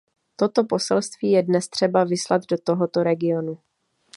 Toto poselství je dnes třeba vyslat do tohoto regionu.